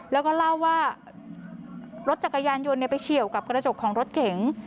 แล้วก็เล่าว่ารถจักรยานยนต์ไปเฉียวกับกระจกของรถเก๋ง